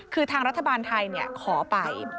คือทางรัฐบาลไทยขอไป